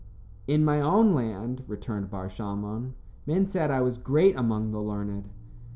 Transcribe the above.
"In my own land," returned Bar Shalmon, "men said I was great among the learned."